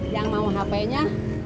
yang mau hpnya